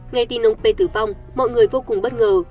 nghe tin ông p tử vong mọi người vô cùng bất ngờ